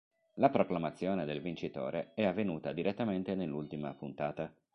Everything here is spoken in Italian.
La proclamazione del vincitore è avvenuta direttamente nell'ultima puntata.